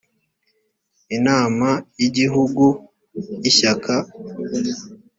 inama y igihugu y ishyaka